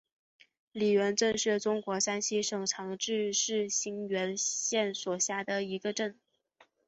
李元镇是中国山西省长治市沁源县所辖的一个镇。